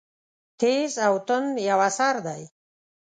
تېز او توند یو اثر دی.